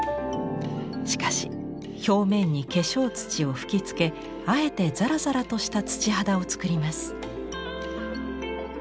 しかし表面に化粧土を吹きつけあえてザラザラとした土肌を作ります。